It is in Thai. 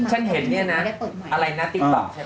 ฉันเห็นเนี่ยนะอะไรนะติ๊บต่อ